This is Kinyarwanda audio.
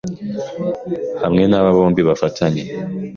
Hamwe naba bombi bafatanye